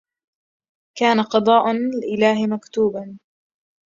كان قضاء الإله مكتوبا